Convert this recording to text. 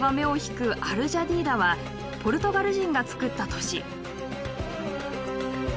アル・ジャディーダはポルトガル人がつくった都市。